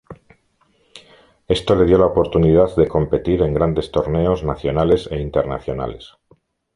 Esto le dio la oportunidad de competir en grandes torneos nacionales e internacionales.